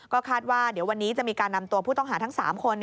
ก็คาดว่าเดี๋ยววันนี้จะมีการนำตัวผู้ต้องหาทั้ง๓คน